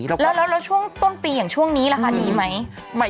แล้วช่วงต้นปีอย่างช่วงนี้ราคาดีไหม